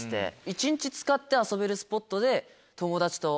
一日使って遊べるスポットで。